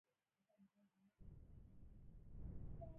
علي د هېڅ کار نشو یووازې د ښوروا خوراک ته یې پرېږده.